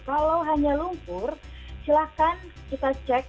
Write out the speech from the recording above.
kalau hanya lumpur silahkan kita cek